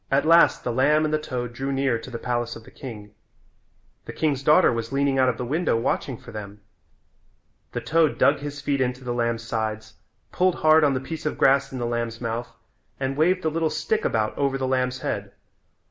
At last the lamb and the toad drew near to the palace of the king. The king's daughter was leaning out of the window watching for them. The toad dug his feet into the lamb's sides, pulled hard on the piece of the grass in the lamb's mouth and waved the little stick about over the lamb's head.